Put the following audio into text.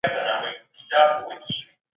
د تیموري طلايي دوره ئې په اور لولپه کړه.